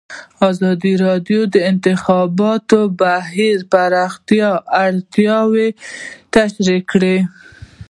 ازادي راډیو د د انتخاباتو بهیر د پراختیا اړتیاوې تشریح کړي.